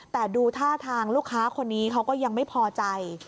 แต่ดูท่าทางลูกค้าคนนี้เขาก็ยังไม่พอใจ